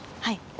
はい。